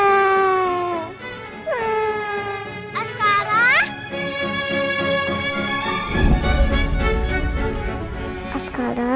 apa yang dikatakan mata rakyat